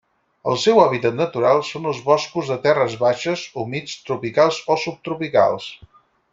El seu hàbitat natural són els boscos de terres baixes humits tropicals o subtropicals.